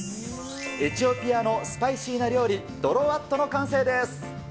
エチオピアのスパイシーな料理、ドロワットの完成です。